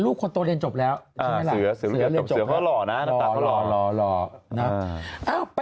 ลูกหวะที่เสฟแม่ก็เกมไว้นะคะไม่เดี๋ยวมากจะ